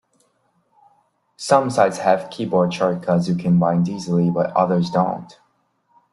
Some sites have keyboard shortcuts you can bind easily, but others don't.